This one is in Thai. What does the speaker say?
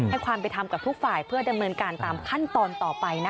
ความเป็นธรรมกับทุกฝ่ายเพื่อดำเนินการตามขั้นตอนต่อไปนะคะ